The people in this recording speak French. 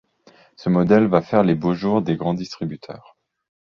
Ce modèle va faire les beaux jours des grands distributeurs.